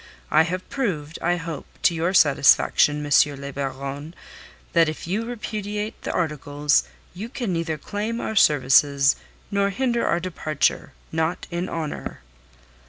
I have proved, I hope, to your satisfaction, M. le Baron, that if you repudiate the articles you can neither claim our services nor hinder our departure not in honour."